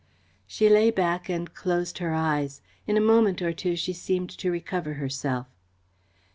She lay back and closed her eyes. In a moment or two she seemed to recover herself.